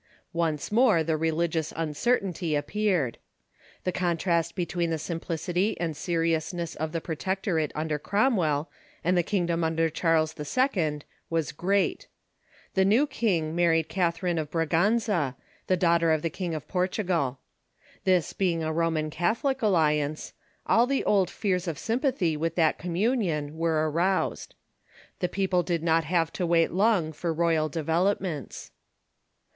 Once more the religious uncer tainty appeared. The contrast between the sim Charies II. piJcity and seriousness of the Protectorate under on the Throne ^ J Cromwell and the kingdom under Charles II. was great. The new king married Catherine of Braganza, the daughter of the King of Portugal. This being a Roman Cath olic alliance, all the old fears of sympathy with that commun ion were aroused. The people did not have to wait long for royal developments.